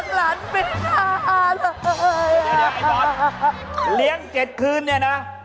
เหลี้ยง๗คืนนี่นะ